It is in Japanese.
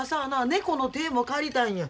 猫の手も借りたいんや。